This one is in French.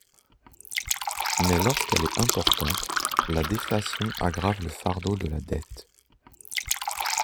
Mais lorsqu'elle est importante, la déflation aggrave le fardeau de la dette.